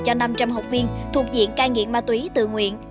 cho năm trăm linh học viên thuộc diện cai nghiện ma túy tự nguyện